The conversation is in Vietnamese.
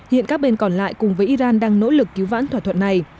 hiện các bên còn lại cùng với iran đang nỗ lực cứu vãn thỏa thuận này